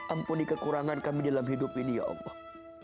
ampuni kekurangan kami dalam hidup ini ya allah